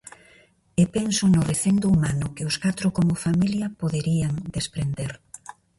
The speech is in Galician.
E pensou no recendo humano que os catro como familia poderían desprender.